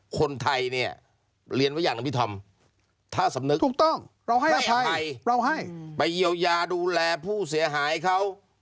คนไทยเนี่ยเรียนไว้อย่างที่พี่ทำ